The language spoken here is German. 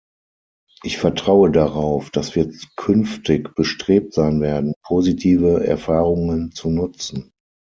Ich vertraue darauf, dass wir künftig bestrebt sein werden, positive Erfahrungen zu nutzen.